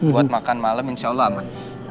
buat makan malem insyaallah aman